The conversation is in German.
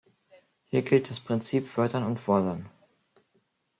Hier gilt das Prinzip "Fördern und Fordern".